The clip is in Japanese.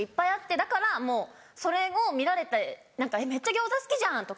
だからもうそれを見られて「めっちゃ餃子好きじゃん」とか。